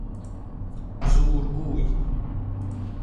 زورگوی